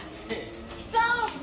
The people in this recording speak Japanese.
久男！